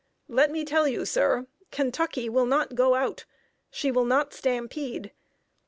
Let me tell you, sir, Kentucky will not 'go out!' She will not stampede.